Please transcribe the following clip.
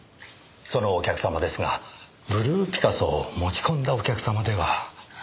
そのお客様ですがブルーピカソを持ち込んだお客様では？